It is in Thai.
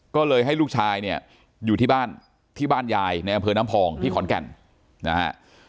ก็เลยให้ลูกชายเนี่ยอยู่ที่บ้านที่บ้านยายในอำเภอน้ำพองที่ขอนแก่นนะฮะ